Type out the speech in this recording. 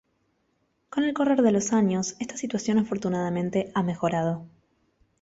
Con el correr de los años, esta situación afortunadamente ha mejorado.